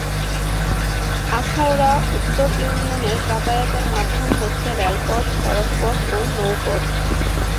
আখাউড়া উত্তর ইউনিয়নে যাতায়াতের মাধ্যম হচ্ছে রেলপথ, সড়কপথ ও নৌপথ।